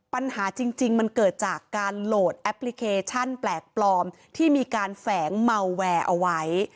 ปัญหาจริงมันเกิดจากการโหลดแอปพลิเคชันแปลกปลอมที่มีการแฝงเมาแวร์เอาไว้